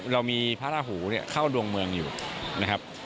เรามีพระราหูเนี่ยเข้าดวงเมืองอยู่นะครับ